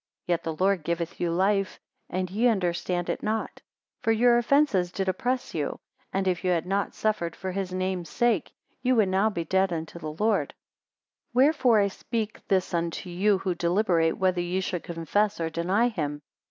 Yet the Lord giveth you life, and ye understand it not. For your offences did oppress you; and if you had not suffered for his name sake, ye would now be dead unto the Lord. 241 Wherefore I speak this unto you who deliberate whether ye should confess or deny him.